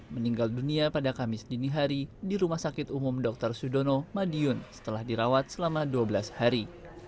meninggal dunia pada kamis dini hari di rumah sakit umum dr sudono madiun setelah dirawat selama dua belas hari